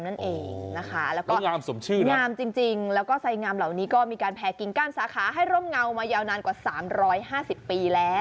แล้วก็ไซยงามเหล่านี้ก็มีการแพร่กิงกั้นสาขาให้ร่มเงาไยกว่า๓๕๐ปี